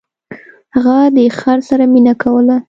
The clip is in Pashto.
هغه د خر سره مینه کوله.